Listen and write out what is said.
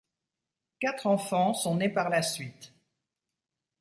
Quatre enfants sont nés par la suite.